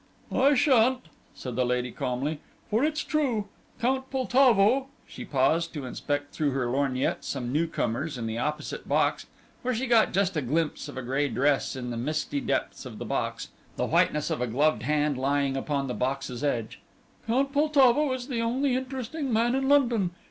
"I shan't," said the lady, calmly, "for it's true! Count Poltavo" she paused, to inspect through her lorgnette some new comers in the opposite box, where she got just a glimpse of a grey dress in the misty depths of the box, the whiteness of a gloved hand lying upon the box's edge "Count Poltavo is the only interesting man in London.